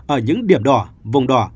ở những điểm đỏ vùng đỏ